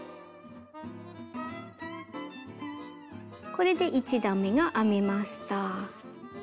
これで１段めが編めました。